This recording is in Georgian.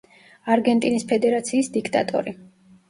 არგენტინის ფედერაციის დიქტატორი.